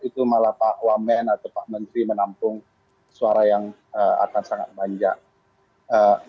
itu malah pak wamen atau pak menteri menampung suara yang akan sangat banyak